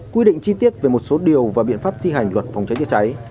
quy định chi tiết về một số điều và biện pháp thi hành luật phòng cháy chữa cháy